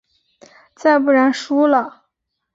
再不然输了？